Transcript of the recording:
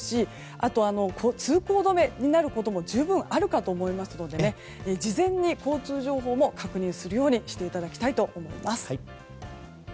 あと、通行止めになることも十分あるかと思いますので事前に交通情報も確認するようにしていただきたいと思います。